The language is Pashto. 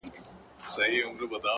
دريم ځل هم راځم له تا سره نکاح کومه!